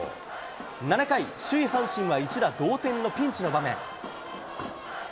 ７回、首位阪神は一打同点のピンチの場面。